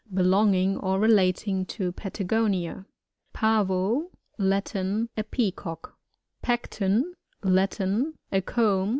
Belonging or relating to Patagonia. Pavo. — Latin. A Peacock. Pecten. — La* in. A comb.